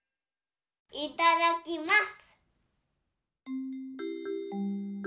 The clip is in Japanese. いただきます。